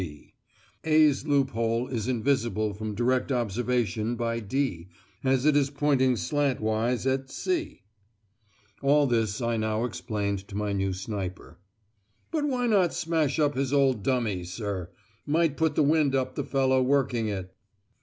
(b) A's loophole is invisible from direct observation by D, as it is pointing slantwise at C. All this I now explained to my new sniper. "But why not smash up his old dummy, sir? Might put the wind up the fellow working it."